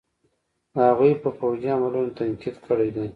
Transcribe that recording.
د هغوئ په فوجي عملونو تنقيد کړے دے.